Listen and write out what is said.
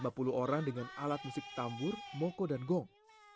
ini biasa dibawakan lima puluh orang dengan alat musik tambur moko dan gong